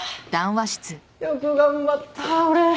よく頑張った俺。